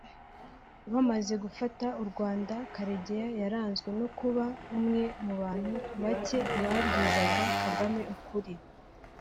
Bamaze gufata u Rwanda Karegeya yaranzwe no kuba umwe mu bantu bacye babwizaga Kagame ukuri